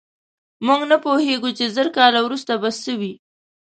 موږ نه پوهېږو، چې زر کاله وروسته به څه وي.